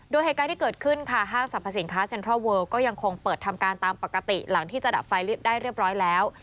โดยเหตุการณ์ที่เกิดขึ้นค่ะห้างสรรพสินค้าเซ็นทรัลเวิลก็ยังคงเปิดทำการตามปกติหลังที่จะดับไฟลิฟต์ได้เรียบร้อยแล้ว